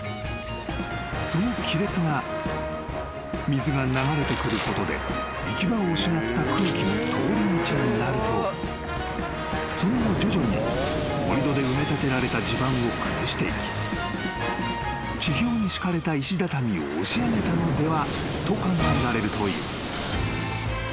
［その亀裂が水が流れてくることで行き場を失った空気の通り道になるとその後徐々に盛り土で埋め立てられた地盤を崩していき地表に敷かれた石畳を押し上げたのではと考えられるという］